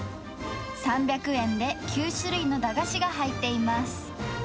３００円で９種類の駄菓子が入っています。